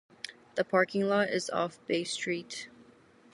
The parking lot is off Bay Street.